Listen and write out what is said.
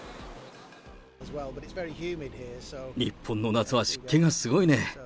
日本の夏は湿気がすごいね。